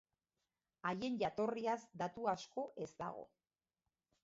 Haien jatorriaz datu asko ez dago.